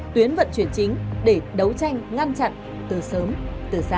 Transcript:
tuyến vận chuyển chính để đấu tranh ngăn chặn từ sớm từ xa